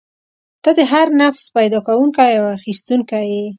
ته د هر نفس پیدا کوونکی او اخیستونکی یې.